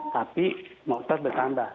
tapi motor bertambah